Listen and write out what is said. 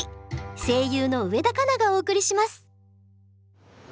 声優の植田佳奈がお送りします。